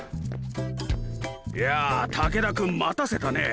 いや武田君待たせたね！